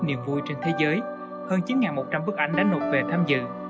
niềm vui trên thế giới hơn chín một trăm linh bức ảnh đã nộp về tham dự